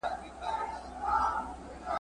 ځکه چي دا په طبیعي لحاظ ممکنه خبره نه ده ..